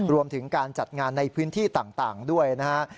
รวมถึงการจัดงานในพื้นที่ต่างด้วยนะฮะ